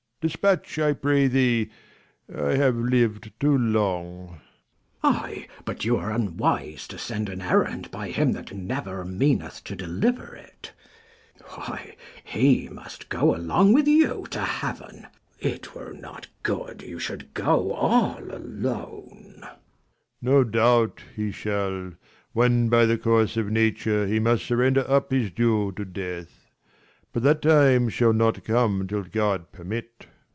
Dispatch, I pray thee, I have liv'd too long. Mess. I, but you are unwise, to send an errand ; By him that never meaneth to deliver it : 230 Why, he must go along with you to heaven : It were not good you should go all alone. Leir. No doubt, he shall, when by the course of nature, He must surrender up his due to death : But that time shall not come till God permit.